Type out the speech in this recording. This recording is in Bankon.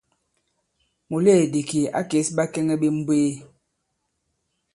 Mùleèdì kì à kês ɓakɛŋɛ ɓe mbwee.